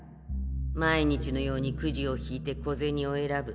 毎日のようにくじを引いて小銭を選ぶ。